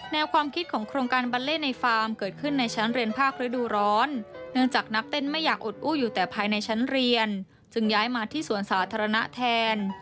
แนวความคิดของโครงการบัลเล่ในฟาร์มเกิดขึ้นในชั้นเรียนภาคฤดูร้อนเนื่องจากนักเต้นไม่อยากอดอู้อยู่แต่ภายในชั้นเรียนจึงย้ายมาที่สวนสาธารณะแทน